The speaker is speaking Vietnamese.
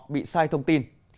bị sai thông tin